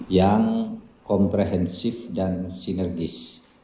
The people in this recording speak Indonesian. yang komprehensif dan sinergis